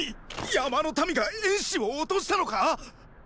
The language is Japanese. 山の民が衍氏を落としたのか！